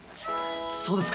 そうですか。